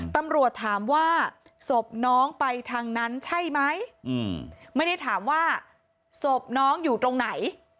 ตำรวจถามว่าศพน้องไปทางนั้นใช่ไหมไม่ได้ถามว่าศพน้องอยู่ตรงไหน